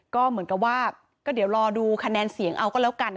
ก็เหมือนกับว่าก็เดี๋ยวรอดูคะแนนเสียงเอาก็แล้วกัน